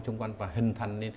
xung quanh và hình thành